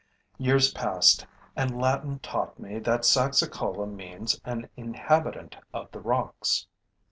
Years passed and Latin taught me that Saxicola means an inhabitant of the rocks.